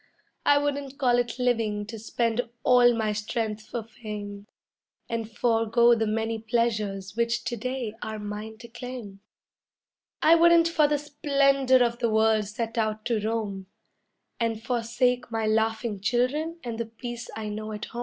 I wouldn't call it living to spend all my strength for fame, And forego the many pleasures which to day are mine to claim. I wouldn't for the splendor of the world set out to roam, And forsake my laughing children and the peace I know at home.